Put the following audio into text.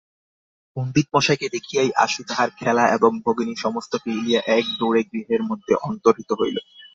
পণ্ডিতমশায়কে দেখিয়াই আশু তাহার খেলা এবং ভগিনী সমস্ত ফেলিয়া একদৌড়ে গৃহের মধ্যে অন্তর্হিত হইল।